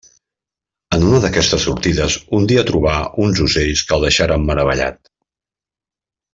En una d'aquestes sortides un dia trobà uns ocells que el deixaren meravellat.